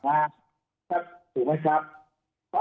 ผมก็ไม่เข้าใจว่าทำไมไม่เอาไปให้คณะงานอายการ